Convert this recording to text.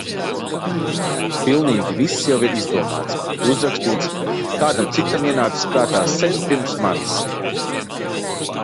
Pilnīgi viss jau ir izdomāts, uzrakstīts, kādam citam ienācis prātā sen pirms manis.